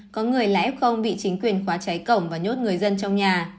có người là f bị chính quyền khóa cháy cổng và nhốt người dân trong nhà